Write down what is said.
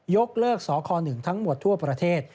ยกเลิกสค๑ทั้งหมดทั่วประเทศ